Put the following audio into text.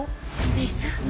水？